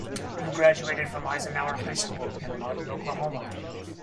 Hill graduated from Eisenhower High School in Lawton, Oklahoma.